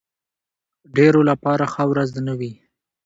ډېرو لپاره ښه ورځ نه وي.